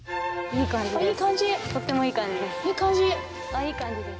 あいい感じです。